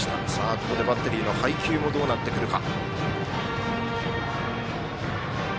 ここでバッテリーの配球もどうなってくるか。